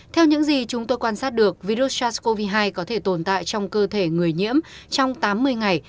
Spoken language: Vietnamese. theo những gì chúng tôi quan sát được virus sars cov hai có thể tồn tại trong cơ thể người nhiễm trong tám mươi ngày